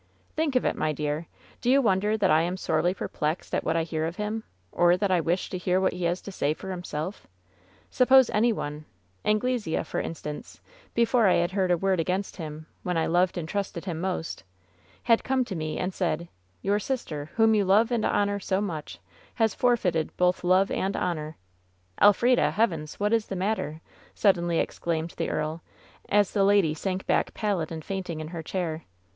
"Think of it, my dear. Do you wonder that I am sorely perplexed at what I hear of him ? Or that I wish to hear what he has to say for himself ? Suppose any one — An^lesea, for instance, before I had heard a word a^inst him, when I loved and trusted him most — ^had come to me and said :^ Your sister, whom you love and honor so much, has forfeited both love and honor ^ Elf rida ! Heavens I What is the matter ?" suddenly ex claimed the earl, as the lady sank back pallid and faint ing in her chair.